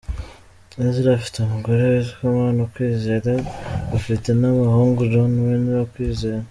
Ezra afite umugore witwa Mona Kwizera bafite n’umuhungu John Werner Kwizera.